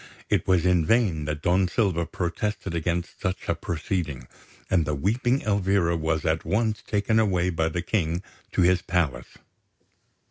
It was in vain that Don Silva protested against such a proceeding; and the weeping Elvira was at once taken away by the King to his palace.